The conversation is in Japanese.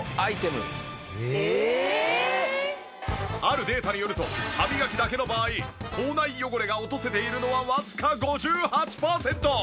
「スクープスクープスクープ」あるデータによると歯磨きだけの場合口内汚れが落とせているのはわずか５８パーセント。